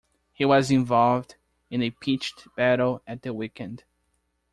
He was involved in a pitched battle at the weekend.